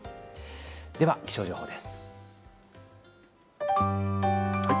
では気象情報です。